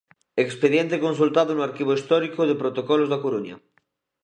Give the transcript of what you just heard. Expediente consultado no Arquivo Histórico de Protocolos da Coruña.